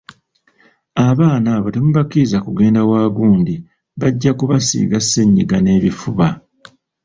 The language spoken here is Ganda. Abaana abo temubakkiriza kugenda wa gundi bajja kubasiiga ssennyiga n'ebifuba!